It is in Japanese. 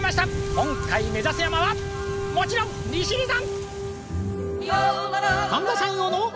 今回目指す山はもちろん利尻山！